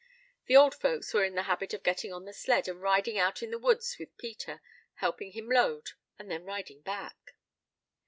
The old folks were in the habit of getting on the sled, and riding out in the woods with Peter, helping him load, and then riding back.